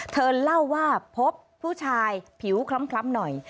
เธอเล่าว่าพบผู้ชายผิวคล้ำหน่อย